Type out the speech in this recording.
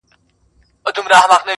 • دکلو تږي درې به -